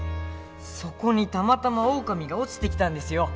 そこにたまたまオオカミが落ちてきたんですよ。